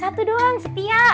satu doang setia